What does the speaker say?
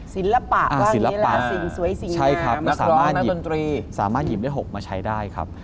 ศิลปะบ้างเนี่ยล่ะสวยสิงห้านักร้องนักดนตรีใช่ครับสามารถหยิบเลข๖มาใช้ได้ครับ